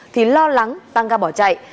thì lo lắng tăng ga bỏ chạy